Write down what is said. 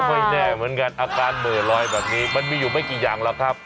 ไม่แน่เหมือนกันอาการเหม่อลอยแบบนี้มันมีอยู่ไม่กี่อย่างหรอกครับ